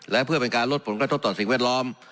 และเพื่อเป็นการลดผลกระทบต่อสิ่งแวดล้อม